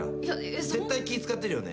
絶対気使ってるよね？